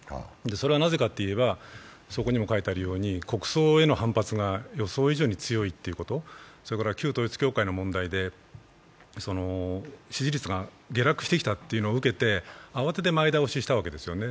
それはなぜかといえば、国葬への反発が予想以上に強いってこと、それから旧統一教会の問題で支持率が下落してきたのを受けて慌てて前倒ししたわけですよね。